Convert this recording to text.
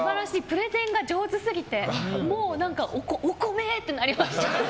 プレゼンが上手すぎてもうお米！ってなりました。